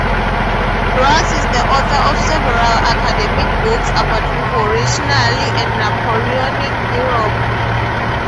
Broers is the author of several academic books about revolutionary and Napoleonic Europe.